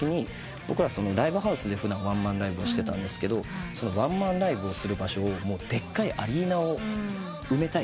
僕らライブハウスで普段ワンマンライブをしてたんですがワンマンライブをする場所をでっかいアリーナを埋めたいと。